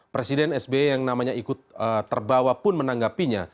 presiden sby yang namanya ikut terbawa pun menanggapinya